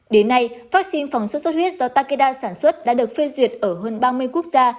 đến nay vaccine phòng sốt sốt huyết do takeda sản xuất đã được phê duyệt ở hơn ba mươi quốc gia